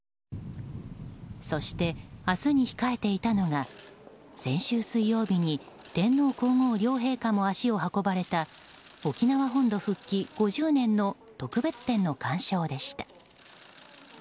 そして、明日に控えていたのが先週水曜日に天皇・皇后両陛下も足を運ばれた沖縄本土復帰５０年の特別展の鑑賞でした。